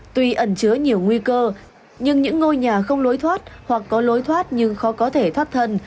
tuy ẩn chứa nhiều nguy cơ nhưng những ngôi nhà không lối thoát hoặc có lối thoát nhưng khó có thể thoát thân